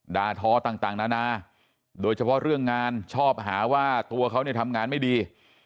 ดาท้อต่างนานาโดยเฉพาะเรื่องงานชอบหาว่าตัวเขาเนี่ยทำงานไม่ดี